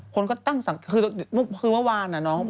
คนก็ตั้งสั่งคือเมื่อวานอ่ะน้อง